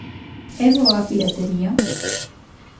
É boa a piratería?